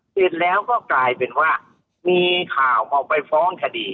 เสร็จแล้วก็กลายเป็นว่ามีข่าวออกไปฟ้องคดี